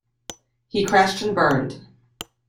He crashed and burned